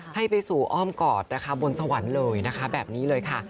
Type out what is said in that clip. ให้ไปสู่อ้อมกอดนะคะบนสวรรค์เลยนะคะแบบนี้เลยค่ะ